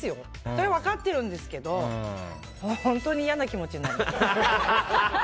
それは分かってるんですけど本当に嫌な気持ちになります。